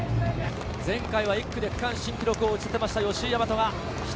前回は区間新記録を打ち立てました、吉居大和。